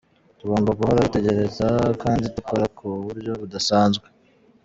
Tugomba guhora dutekereza kandi dukora ku buryo budasanzwe.